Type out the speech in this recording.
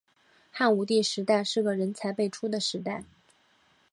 汉武帝时代是个人才辈出的时代。